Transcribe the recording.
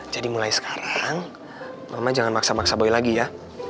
jadi mulai sekarang mama jangan maksa maksa boy lagi ya